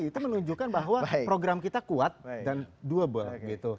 itu menunjukkan bahwa program kita kuat dan doable gitu